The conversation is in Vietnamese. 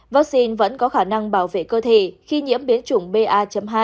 vaccine vẫn có khả năng bảo vệ cơ thể khi nhiễm biến chủng ba hai